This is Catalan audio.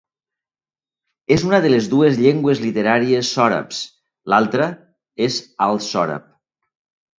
És una de les dues llengües literàries sòrabs, l'altra és alt sòrab.